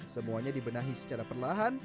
semuanya dibenahi secara perlahan